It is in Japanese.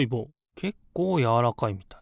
けっこうやわらかいみたい。